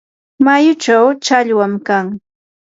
mayuchaw challwam kan.